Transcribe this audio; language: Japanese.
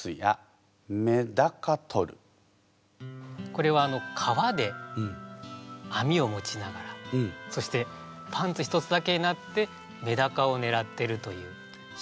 これは川で網を持ちながらそしてパンツ１つだけになってメダカをねらっているという。